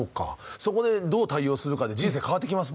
そこでどう対応するかで人生変わってきますもんね。